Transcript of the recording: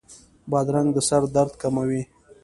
بادرنګ د سر درد کموي.